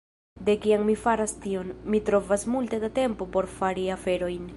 De kiam mi faras tion, mi trovas multe da tempo por fari aferojn.